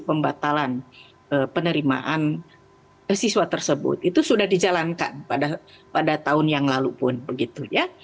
pembatalan penerimaan siswa tersebut itu sudah dijalankan pada tahun yang lalu pun begitu ya